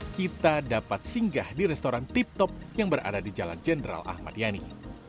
kita dapat singgah di restoran tip top yang berada di jalan jenderal ahmad yani